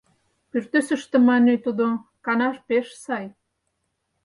Пӱртӱсыштӧ, мане тудо, канаш пеш сай.